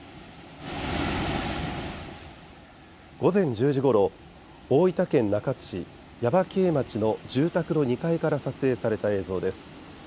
午前１０時ごろ大分県中津市耶馬溪町の住宅の２階から撮影された映像です。